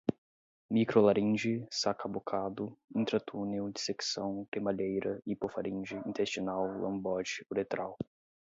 micro laringe, sacabocado, intratunel, dissecção, cremalheira, hipofaringe, intestinal, lambote, uretral